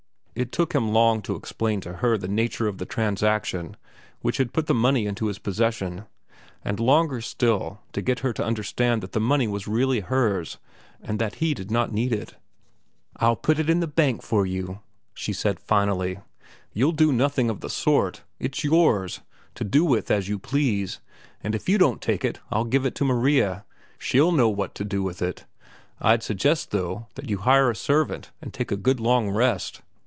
It took him long to explain to her the nature of the transaction which had put the money into his possession, and longer still to get her to understand that the money was really hers and that he did not need it. "I'll put it in the bank for you," she said finally. "You'll do nothing of the sort. It's yours, to do with as you please, and if you won't take it, I'll give it to Maria. She'll know what to do with it. I'd suggest, though, that you hire a servant and take a good long rest."